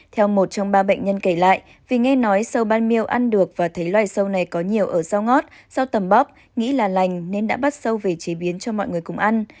theo một trong ba bệnh nhân kể lại vì nghe nói sâu ban miêu ăn được và thấy loài sâu này có nhiều ở rau ngót rau tầm bóp nghĩ là lành nên đã bắt sâu về chế biến cho mọi người cùng ăn